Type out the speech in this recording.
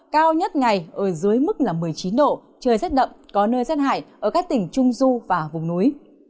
cao nhất ngày ở dưới mức một mươi chín độ trời rất đậm có nơi rất hại ở các tỉnh trung du và vùng núi